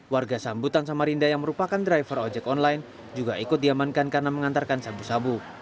warga sambutan samarinda yang merupakan driver ojek online juga ikut diamankan karena mengantarkan sabu sabu